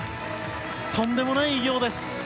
とんでもない偉業です。